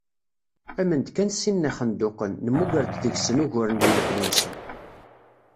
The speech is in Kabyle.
Qqimen-d kan sin n yixenduqen, nemmuger-d deg-sen uguren di lebni-nsen.